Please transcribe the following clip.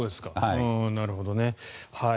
なるほどね。